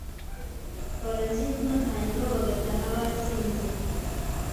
Barazinywa hanyuma bagataha basinze